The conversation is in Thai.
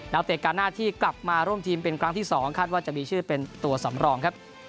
เตะการหน้าที่กลับมาร่วมทีมเป็นครั้งที่๒คาดว่าจะมีชื่อเป็นตัวสำรองครับ